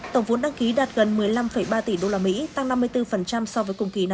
tổng vốn đăng ký đạt gần một mươi năm ba tỷ usd tăng năm mươi bốn